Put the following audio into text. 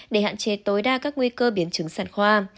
để hạn chế tối đa các nguy cơ biến chứng sản khoa